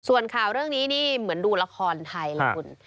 ส่วนข่าวเรื่องนี้นี่เหมือนดูละครไทยเลยคุณ